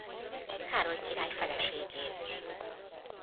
Károly király feleségét.